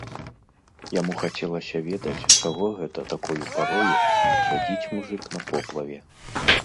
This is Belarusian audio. Яму хацелася ведаць, чаго гэта такою парою сядзіць мужык на поплаве.